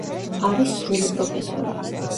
არის სრული პროფესორი.